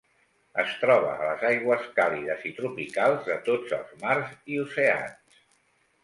Es troba a les aigües càlides i tropicals de tots els mars i oceans.